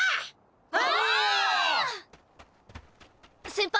先輩。